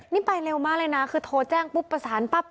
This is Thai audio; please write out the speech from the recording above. นี่ไปเร็วมากเลยนะคือโทรแจ้งปุ๊บประสานปั๊บ